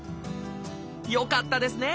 よかったですね！